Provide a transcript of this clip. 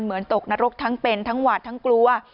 ตกนรกทั้งเป็นทั้งหวาดทั้งกลัว